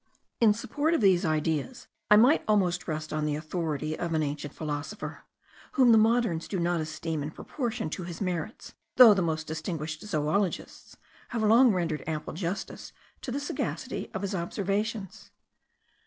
In support of these ideas, I might almost rest on the authority of an ancient philosopher, whom the moderns do not esteem in proportion to his merits, though the most distinguished zoologists have long rendered ample justice to the sagacity of his observations.